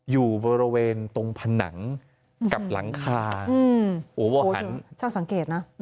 อยู่บริเวณตรงผนังกับหลังคาโอ้วหันชอบสังเกตนะ